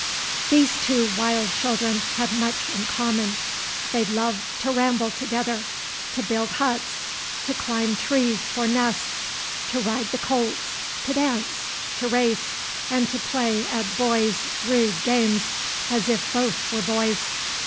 These two wild children had much in common. They loved to ramble together, to build huts, to climb trees for nests, to ride the colts, to dance, to race, and to play at boys' rude games as if both were boys.